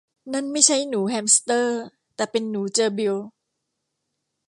นั่นไม่ใช่หนูแฮมสเตอร์ แต่เป็นหนูเจอร์บิล